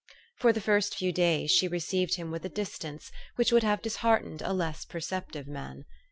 For the first few days she received him with a distance which would have disheartened a less per ceptive man.